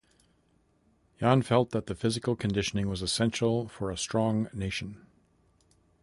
Jahn felt that physical conditioning was essential for a strong nation.